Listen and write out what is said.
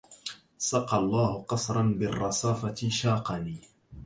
سقى الله قصرا بالرصافة شاقني